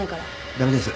駄目です。